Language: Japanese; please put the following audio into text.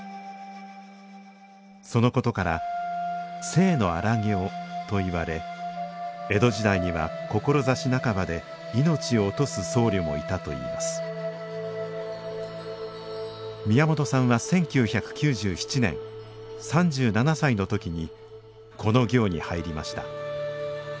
そのことから「静の荒行」といわれ江戸時代には志半ばで命を落とす僧侶もいたといいます宮本さんは１９９７年３７歳の時にこの行に入りました。